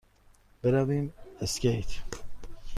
برویم اسکیت؟